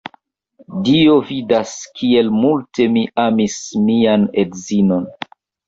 Dio vidas, kiel multe mi amis mian edzinon!